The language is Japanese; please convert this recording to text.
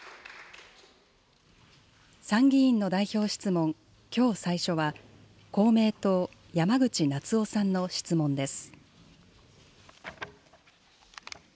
参議院の代表質問、きょう最初は、公明党、山口那津男さんの質問です。